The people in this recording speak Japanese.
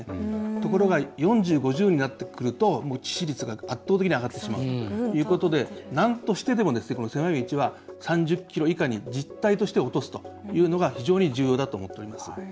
ところが４０、５０になってくるともう致死率が圧倒的に上がってしまうということでなんとしてでも狭い道は、３０キロ以下に実態として落とすというのが非常に重要だと思っております。